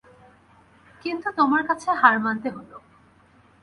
কিন্তু তোমার কাছে হার মানতে হল।